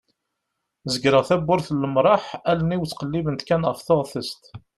zegreɣ tawwurt n lemraḥ allen-iw ttqellibent kan ɣef teɣtest